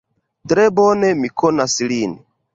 Tre bone mi konas lin.